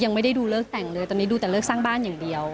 ยังไม่ได้ดูเลิกแต่งเลยตอนนี้ดูแต่เลิกสร้างบ้านอย่างเดียว